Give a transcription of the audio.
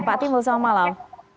pak timbul selamat malam